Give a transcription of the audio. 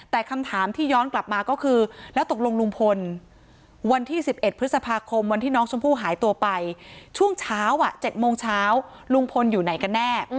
แต่คำถามที่ย้อนกลับมาก็คือแล้วตกลงลุงพลวันที่๑๑พฤษภาคมวันที่น้องชมพู่หายตัวไปช่วงเช้า๗โมงเช้าลุงพลอยู่ไหนกันแน่